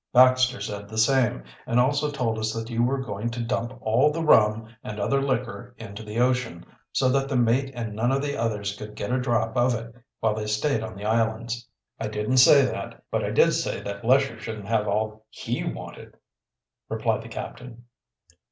Baxter said the same, and also told us that you were going to dump all the rum and other liquor into the ocean, so that the mate and none of the others could get a drop of it while they stayed on the islands." "I didn't say that, but I did say that Lesher Shouldn't have all he wanted," replied the captain.